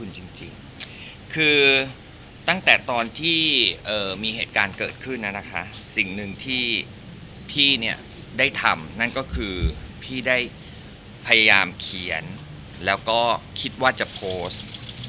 คือตั้งแต่ตอนที่มีเหตุการณ์เกิดขึ้นนะคะสิ่งหนึ่งที่พี่เนี่ยได้ทำนั่นก็คือพี่ได้พยายามเขียนแล้วก็คิดว่าจะโพสต์